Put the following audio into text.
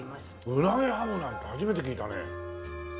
うなぎハムなんて初めて聞いたね。